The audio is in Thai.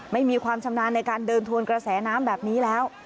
ไม่มีความชำนาญในการเดินทวนกระแสน้ำแบบนี้แล้ว